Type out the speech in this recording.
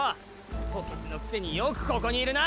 補欠のくせによくここにいるな！